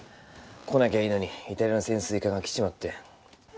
「来なきゃいいのにイタリアの潜水艦が来ちまって」